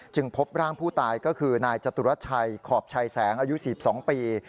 พบร่างผู้ตายก็คือนายจตุรชัยขอบชัยแสงอายุ๔๒ปี